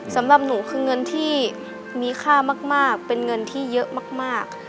สำหรับหนูคือเงินที่มีค่ามากเป็นเงินที่เยอะมาก